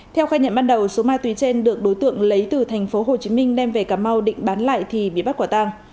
theo khai nhận ban đầu số ma túy trên được đối tượng lấy từ thành phố hồ chí minh đem về cà mau định bán lại thì bị bắt quả tăng